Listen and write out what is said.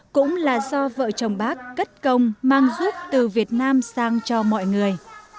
cũng là do vợ chồng bác cất công mang giúp từ việt nam sang cho mọi người